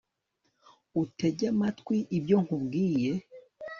utege amatwi ibyo nkubwiye